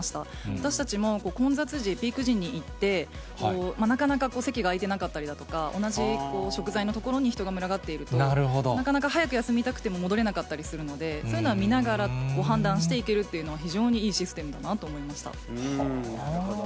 私たちも混雑時、ピーク時に行って、なかなか席が空いてなかったりだとか、同じ食材の所に人が群がっていると、なかなか早く休みたくても戻れなかったりするので、そういうのは見ながら、判断して行けるっていうのは、非常にいいシステムだなと思いまなるほど。